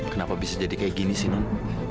kenapa bisa jadi kayak gini sih non